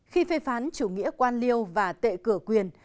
khi phê phán chủ nghĩa quan liêu và tệ cửa quyền